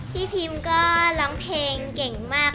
พี่พิมก็ร้องเพลงเก่งมาก